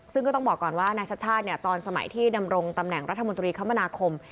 ซึ่งก็ต้องบอกก่อนว่านายชาติชาติตอนสมัยที่ดำรงตำแหน่งรัฐมนตรีคมนาคม